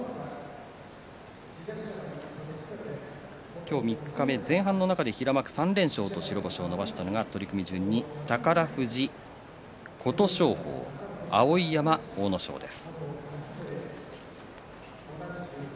今日、三日目前半の中で平幕３連勝と白星を伸ばしたのが宝富士、琴勝峰碧山、阿武咲です。